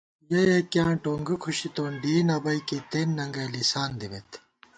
یَہ یَکِیاں ٹونگہ کھُشِتون، ڈېئی نہ بَئیکےتېن ننگَئ لِسان دِمېت